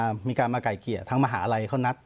มีการมาไก่เกลี่ยทางมหาลัยเขานัด